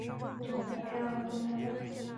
父张仁广为通判。